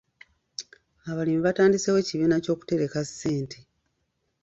Abalimi batandiseewo ekibiina ky'okutereka ssente.